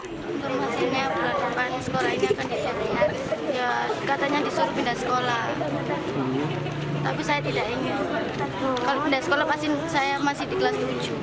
tapi saya tidak ingin kalau tidak sekolah pasti saya masih di kelas tujuh